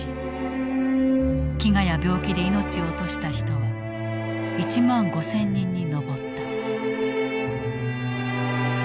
飢餓や病気で命を落とした人は１万５，０００人に上った。